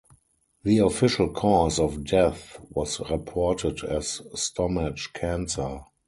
The official cause of death was reported as stomach cancer.